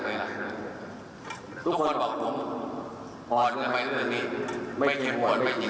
อ่ะนายยกถามว่าถ้าใช้มาตรการเด็ดขาดประชาชนโอ้โหมันก็ไม่มีความคิดว่าจะต้องการแบบนี้